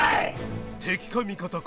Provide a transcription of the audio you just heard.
敵か味方か